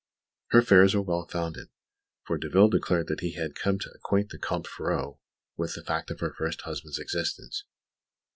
Her fears were well founded; for Derville declared that he had come to acquaint the Comte Ferraud with the fact of her first husband's existence.